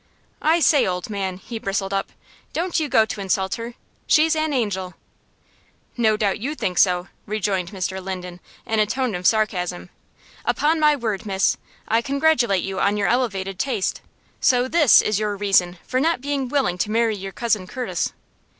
"I say, old man," he bristled up, "don't you go to insult her! She's an angel!" "No doubt you think so," rejoined Mr. Linden, in a tone of sarcasm. "Upon my word, miss, I congratulate you on your elevated taste. So this is your reason for not being willing to marry your Cousin Curtis?"